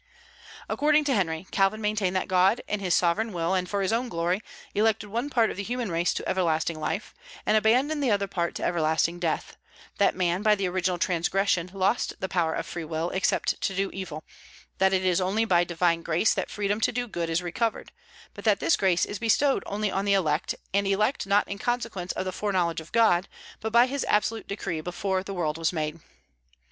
According to Henry, Calvin maintained that God, in his sovereign will and for his own glory, elected one part of the human race to everlasting life, and abandoned the other part to everlasting death; that man, by the original transgression, lost the power of free will, except to do evil; that it is only by Divine Grace that freedom to do good is recovered; but that this grace is bestowed only on the elect, and elect not in consequence of the foreknowledge of God, but by his absolute decree before the world was made.